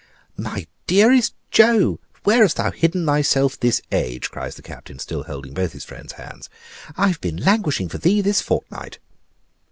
"My dearest Joe, where hast thou hidden thyself this age?" cries the Captain, still holding both his friend's hands; "I have been languishing for thee this fortnight."